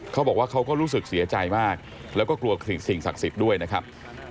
เขาก็รู้สึกเสียใจมากแล้วก็กลัวสิ่งศักดิ์สิทธิ์ด้วยนะครับ